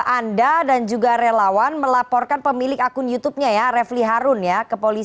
anda dan juga relawan melaporkan pemilik akun youtubenya ya refli harun ya ke polisi